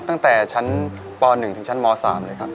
ตั้งแต่ชั้นป๑ถึงชั้นม๓เลยครับ